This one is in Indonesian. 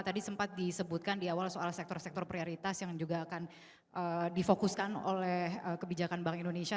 tadi sempat disebutkan di awal soal sektor sektor prioritas yang juga akan difokuskan oleh kebijakan bank indonesia